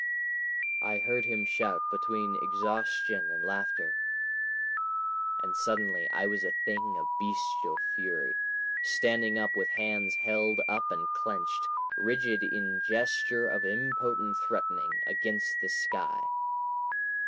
I heard him shout between exhaustion and laughter. ... And suddenly I was a thing of bestial fury, standing up with hands held up and clenched, rigid in gesture of impotent threatening, against the sky.